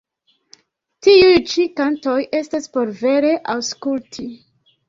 Tiuj ĉi kantoj estas por vere aŭskulti.